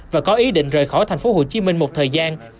và có ý định rời khỏi thành phố hồ chí minh một thời gian